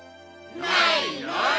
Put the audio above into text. ないない！